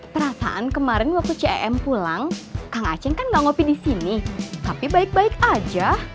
perasaan kemarin waktu cem pulang kang aceh kan nggak ngopi di sini tapi baik baik aja